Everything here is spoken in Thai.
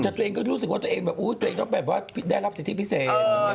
แต่ตัวเองก็รู้สึกตรงว่าตัวเองมันจะได้รับสิทธิเพียสเศพ